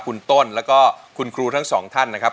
คุณต้นแล้วก็คุณครูทั้งสองท่านนะครับ